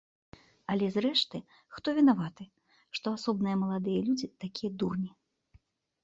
Але, зрэшты, хто вінаваты, што асобныя маладыя людзі такія дурні?